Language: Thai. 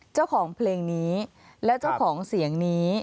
เจ้าของเพลงนี้และเจ้าของเสียงนี้